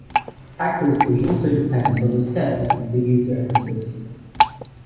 Accuracy also depends on the step-length the user enters.